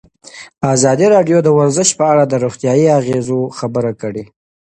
ازادي راډیو د ورزش په اړه د روغتیایي اغېزو خبره کړې.